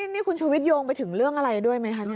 นี่คุณชูวิทโยงไปถึงเรื่องอะไรด้วยไหมคะ